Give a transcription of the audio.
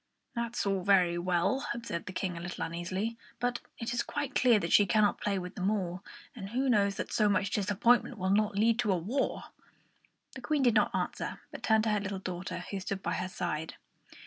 "That's all very well," observed the King, a little uneasily; "but it is quite clear that she cannot play with them all, and who knows that so much disappointment will not lead to a war?" The Queen did not answer but turned to her little daughter, who stood by her side.